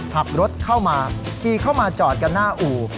ขับรถเข้ามาขี่เข้ามาจอดกันหน้าอู่